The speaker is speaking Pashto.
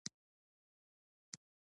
دلته پیسې په پانګه بدلېږي ځکه اضافي ارزښت لري